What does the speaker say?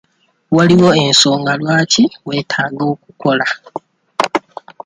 Waliwo ensonga lwaki weetaaga okukola.